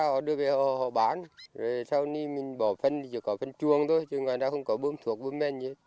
họ đưa về họ bán rồi sau này mình bỏ phân thì chỉ có phân chuông thôi chứ ngoài ra không có bơm thuộc bơm mênh gì